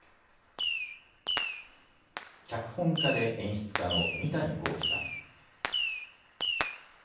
脚本家で演出家の三谷幸喜さん。